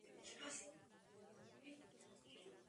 Dejando así un tiempo de descanso y saneamiento interno.